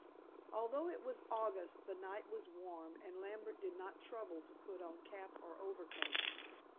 Although it was August the night was warm, and Lambert did not trouble to put on cap or overcoat.